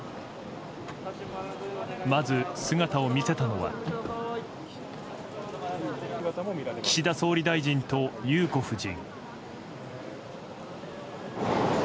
まず、姿を見せたのは岸田総理大臣と裕子夫人。